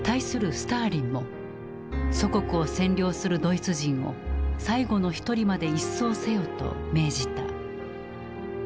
スターリンも「祖国を占領するドイツ人を最後の一人まで一掃せよ」と命じた。